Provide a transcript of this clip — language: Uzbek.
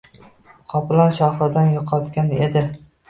Qoplon Shohidani yo‘qotgan edi